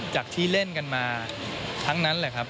จากที่เล่นกันมาทั้งนั้นแหละครับ